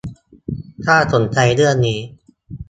ถ้าสนใจเรื่องนี้